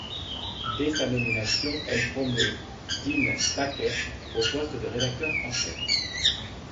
Dès sa nomination, elle promeut Dean Baquet au poste de rédacteur en chef.